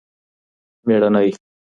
میړنی